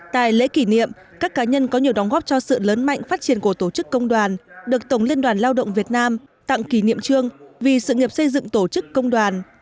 tại lễ kỷ niệm các cá nhân có nhiều đóng góp cho sự lớn mạnh phát triển của tổ chức công đoàn được tổng liên đoàn lao động việt nam tặng kỷ niệm trương vì sự nghiệp xây dựng tổ chức công đoàn